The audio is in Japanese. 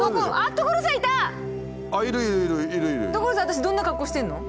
私どんな格好してるの？